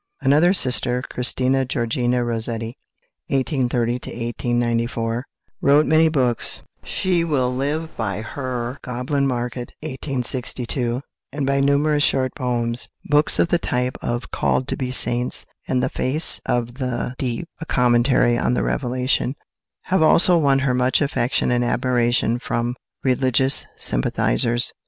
Another sister, =Christina Georgina Rossetti (1830 1894)=, wrote many books. She will live by her "Goblin Market" (1862), and by numerous short poems. Books of the type of "Called to be Saints" and "The Face of the Deep: A Commentary on the Revelation," have also won her much affection and admiration from religious sympathisers.